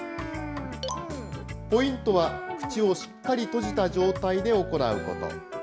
ポイントは口をしっかり閉じた状態で行うこと。